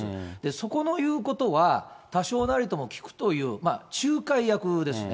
そこの言うことは多少なりとも聞くという、仲介役ですね。